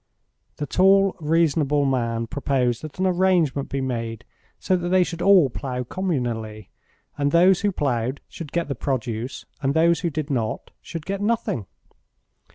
The tall, reasonable man proposed that an arrangement be made so that they should all plough communally, and those who ploughed should get the produce and those who did not should get nothing.